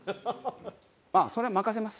それは任せます。